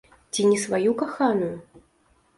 Ці не сваю каханую?